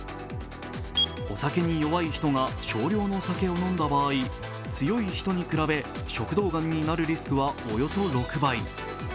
お酒に弱い人が、少量の酒を飲んだ場合強い人に比べ、食道がんになるリスクはおよそ６倍。